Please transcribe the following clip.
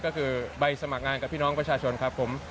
ก็คือใบสมัครงานกับพี่น้องประชาชนครับผม